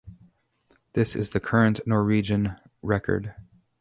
This is the current Norwegian record.